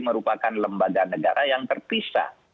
merupakan lembaga negara yang terpisah